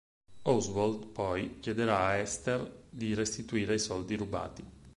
Oswald, poi, chiederà a Esther di restituire i soldi rubati.